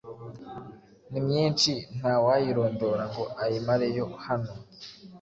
ni myinshi ntawayirondora ngo ayimareyo hano.